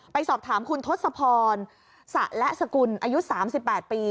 ไปสอบถามคุณทศพรสะและสกุลอายุ๓๘ปี